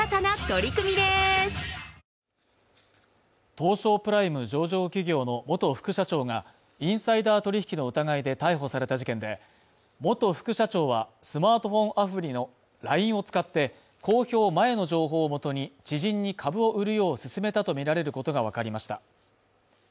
東証プライム上場企業の元副社長がインサイダー取引の疑いで逮捕された事件で、元副社長は、スマートフォンアプリのＬＩＮＥを使って、公表前の情報をもとに知人に株を売るようすすめたとみられることがわかりました。